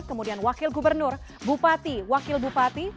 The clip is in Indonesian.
kemudian wakil gubernur bupati wakil bupati